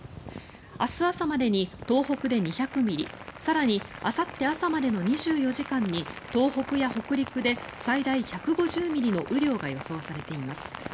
明日朝までに東北で２００ミリ更にあさって朝までの２４時間に東北や北陸で最大１５０ミリの雨量が予想されています。